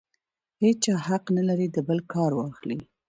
هېچا حق نه لري د بل کار واخلي.